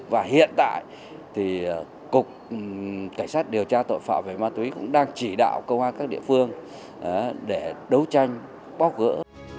và hiện tại thì cục cảnh sát điều tra tội phạm về ma túy cũng đang chỉ đạo công an các địa phương để đấu tranh bóc gỡ